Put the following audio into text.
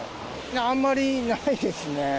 あんまりないですね。